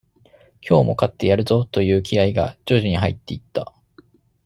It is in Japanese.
今日も勝ってやるぞという気合が、徐々に入っていった。